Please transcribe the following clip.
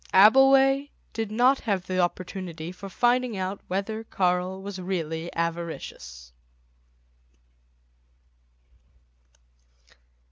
Abbleway did not have the opportunity for finding out whether Karl was really avaricious.